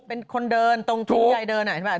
เป็นคนเดินตรงที่ยายเดินอะใช่ไหม